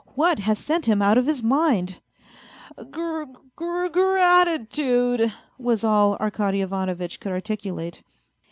" What has sent him out of his mind ?"" Gra gra gratitude !" was all Arkady Ivanovitch could articulate.